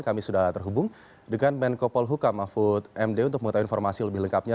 kami sudah terhubung dengan menko polhukam mahfud md untuk mengetahui informasi lebih lengkapnya